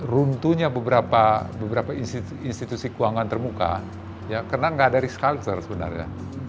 runtuhnya beberapa institusi keuangan terbuka karena tidak ada risk culture sebenarnya